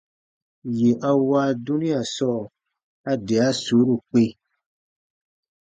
Yè a wa dunia sɔɔ, a de a suuru kpĩ.